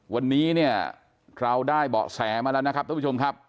วันนี้เนี่ยเราได้เบาะแสมาแล้วนะครับท่านผู้ชมครับ